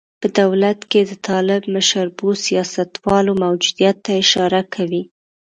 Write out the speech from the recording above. په دولت کې د طالب مشربو سیاستوالو موجودیت ته اشاره کوي.